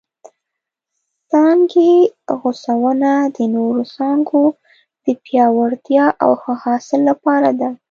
څانګې غوڅونه د نورو څانګو د پیاوړتیا او ښه حاصل لپاره ده.